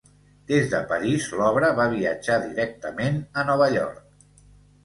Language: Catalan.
Des de París l'obra va viatjar directament a Nova York.